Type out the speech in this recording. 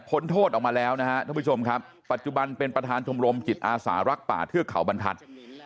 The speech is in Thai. โทษออกมาแล้วนะฮะท่านผู้ชมครับปัจจุบันเป็นประธานชมรมจิตอาสารักป่าเทือกเขาบรรทัศน์